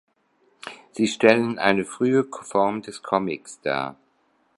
Sie stellen eine frühe Form des Comics dar.